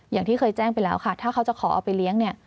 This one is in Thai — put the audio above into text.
อย่างที่เคยแจ้งไปแล้วค่ะถ้าเขาจะขอเอาไปเลี้ยงเนี่ย